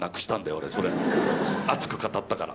俺それ熱く語ったから。